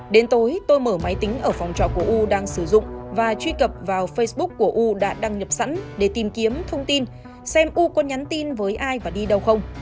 đến tối tôi mở máy tính ở phòng trọ của u đang sử dụng và truy cập vào facebook của u đã đăng nhập sẵn để tìm kiếm thông tin xem u có nhắn tin với ai và đi đâu không